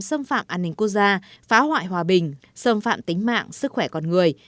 xâm phạm an ninh quốc gia phá hoại hòa bình xâm phạm tính mạng sức khỏe con người